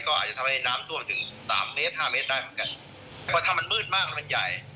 ก็เดี๋ยวจะทำให้น้ำทั่วถึง๓๕แมตรได้ก็จะทำให้มันมืดมากให้มันใหญ่